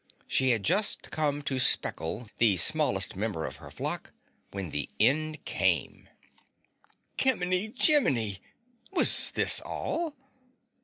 She had just come to Speckle, the smallest member of her flock, when the end came. Kimmeny Jimmeny! Was this ALL?